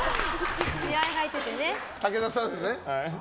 武田さんですね。